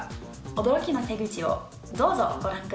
驚きの手口をどうぞご覧ください。